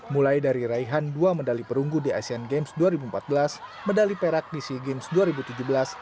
mulai dari raihan dua medali perunggu di asean games dua ribu empat belas medali perak di sea games dua ribu tujuh belas